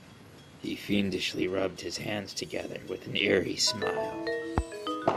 He fiendishly rubbed his hands together with an eerie smile.